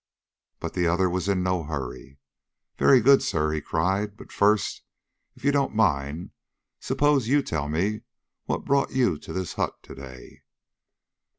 But the other was in no hurry. "Very good, sir," he cried; "but, first, if you don't mind, suppose you tell me what brought you to this hut to day?"